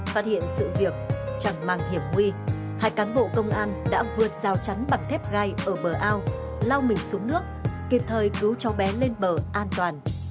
phát hiện sự việc chẳng mang hiểm nguy hai cán bộ công an đã vượt rào chắn bằng thép gai ở bờ ao lao mình xuống nước kịp thời cứu cháu bé lên bờ an toàn